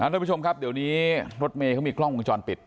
ทุกผู้ชมครับเดี๋ยวนี้รถเมย์เขามีกล้องวงจรปิด